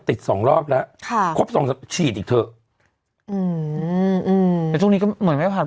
ติดสองรอบแล้วค่ะครบสองติดฉีดอีกเถอะอืมอืมแต่ตอนนี้ก็เหมือนแม่ภาษบอก